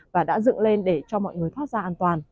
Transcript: và đã dựng lên để cho mọi người thoát ra an toàn